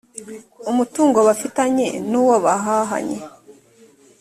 umutungo bafitanye nuwo bahahanye